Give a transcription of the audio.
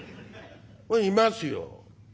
「いますよ」。